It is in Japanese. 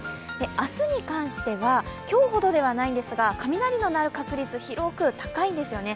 明日に関しては今日ほどではないんですが、雷の鳴る確率広く高いんですよね。